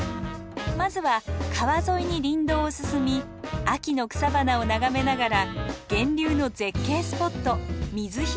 まずは川沿いに林道を進み秋の草花を眺めながら源流の絶景スポット「ミズヒ大滝」へ。